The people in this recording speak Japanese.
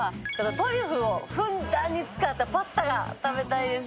トリュフをふんだんに使ったパスタが食べたいです。